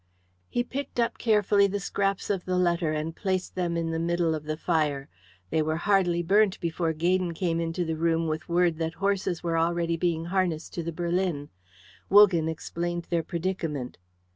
He picked up carefully the scraps of the letter and placed them in the middle of the fire. They were hardly burnt before Gaydon came into the room with word that horses were already being harnessed to the berlin. Wogan explained their predicament.